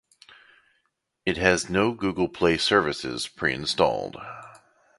It has no Google Play Services preinstalled.